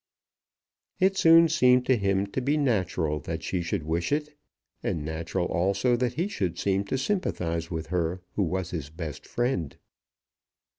It soon seemed to him to be natural that she should wish it, and natural also that he should seem to sympathize with her who was his best friend.